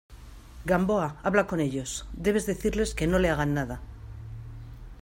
Gamboa, habla con ellos. debes decirles que no le hagan nada .